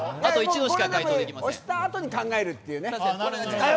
押したあとに考えるっていうね。